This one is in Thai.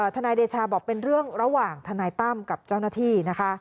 ทนายเดชาบอกเป็นเรื่องระหว่างทนายตั้มกับเจ้าหน้าที่นะคะ